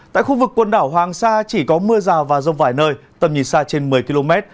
tại khu vực quần đảo hoàng sa chỉ có mưa rào và rông vài nơi tầm nhìn xa trên một mươi km